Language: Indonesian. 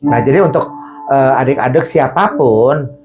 nah jadi untuk adik adik siapapun